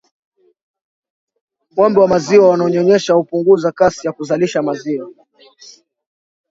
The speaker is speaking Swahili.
Ngombe wa maziwa wanaonyonyesha hupunguza kasi ya kuzalisha maziwa